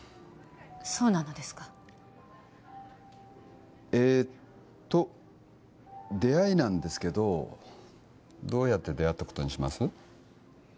そうなのですかえっと出会いなんですけどどうやって出会ったことにします？